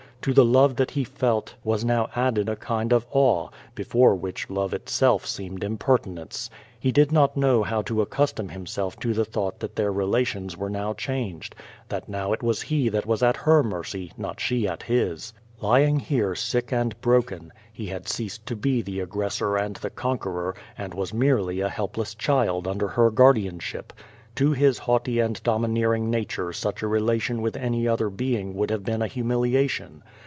To the love that he felt was now added a kind of awe, before which Love itself seemed imiYcrtinence. He did not know how to accustom himself to the tliought tiuit their relations were now changed. That now it wat^ he that was at her mercy, not she at his. QUO VADIS, 187 Lying here sick and broken, he had ceased to be the aggres sor and the conqueror, and was merely a helpless child un der her guardianship. To his haughty and domineering na ture such a relation with any other being would have been a humiliation.